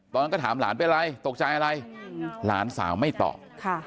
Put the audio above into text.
ตอนนั้นก็ถามหลานเป็นอะไรตกใจอะไรหลานสาวไม่ตอบ